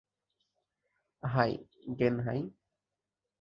High, ডেনহাই।